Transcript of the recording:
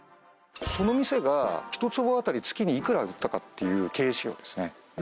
その店が１坪当たり月にいくら売ったかっていう経営指標ですね